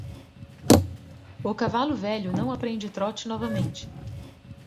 O cavalo velho não aprende trote novamente.